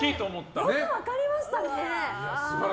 よく分かりましたね。